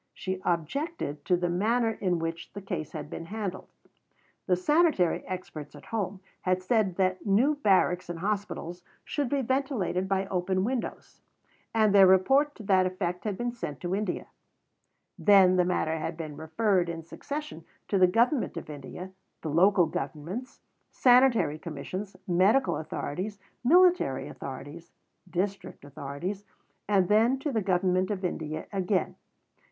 She objected to the manner in which the case had been handled. The sanitary experts at home had said that new barracks and hospitals should be ventilated by open windows, and their report to that effect had been sent to India. Then the matter had been referred in succession to the Government of India, the local governments, sanitary commissions, medical authorities, military authorities, district authorities, and then to the Government of India again.